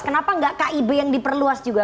kenapa nggak kib yang diperluas juga